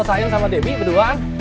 bro sain sama demi berdua